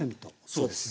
そうです。